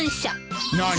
何？